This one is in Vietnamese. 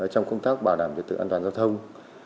trong công tác bảo đảm việc tự an toàn giao thông